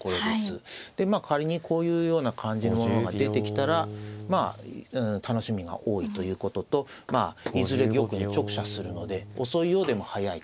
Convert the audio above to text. でまあ仮にこういうような感じのものが出てきたらまあ楽しみが多いということといずれ玉に直射するので遅いようでも速いということが。